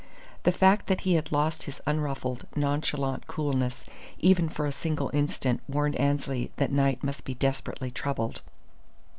The fact that he had lost his unruffled, nonchalant coolness even for a single instant warned Annesley that Knight must be desperately troubled.